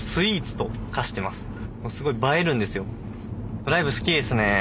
ドライブ好きですね。